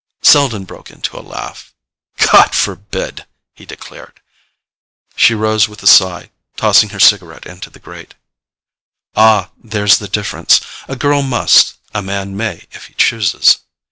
Selden broke into a laugh. "God forbid!" he declared. She rose with a sigh, tossing her cigarette into the grate. "Ah, there's the difference—a girl must, a man may if he chooses."